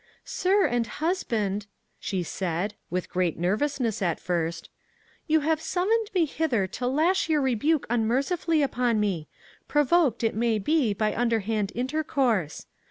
"Sir and husband," she said, with great nervousness at first, "you have summoned me hither to lash your rebuke unmercifully upon me, provoked, it may be, by underhand intercourse.